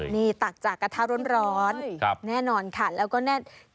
นี่ตักจากกระทะร้อนแน่นอนแล้วก็ดูซื้อเนี่ย